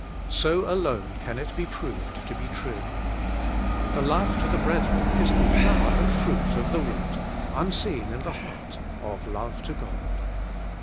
So alone can it be proved to be true. The love to the brethren is the flower and fruit of the root, unseen in the heart, of love to God.